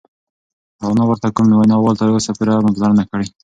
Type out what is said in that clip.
او نه ورته کوم وینا وال تر اوسه پوره پاملرنه کړې،